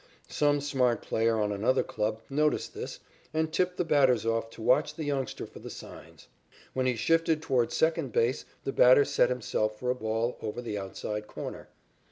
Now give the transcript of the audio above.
Some smart player on another club noticed this and tipped the batters off to watch the youngster for the signs. When he shifted toward second base the batter set himself for a ball over the outside corner.